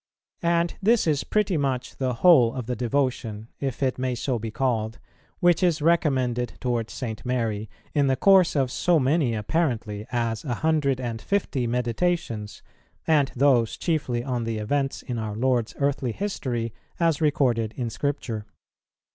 And this is pretty much the whole of the devotion, if it may so be called, which is recommended towards St. Mary in the course of so many apparently as a hundred and fifty Meditations, and those chiefly on the events in our Lord's earthly history as recorded in Scripture.